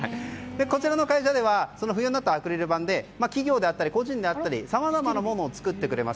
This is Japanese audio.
こちらの会社では不要になったアクリル板で企業であったり個人であったりさまざまなものを作ってくれます。